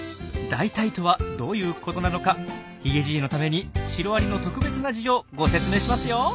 大体とはどういうことなのかヒゲじいのためにシロアリの特別な事情ご説明しますよ。